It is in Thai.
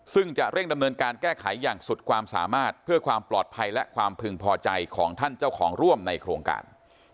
ซึ่งจะเร่งดำเนินการแก้ไขอย่างสุดความสามารถเพื่อความปลอดภัยและความพึงพอใจของท่านเจ้าของร่วมในโครงการ